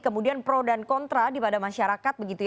kemudian pro dan kontra di pada masyarakat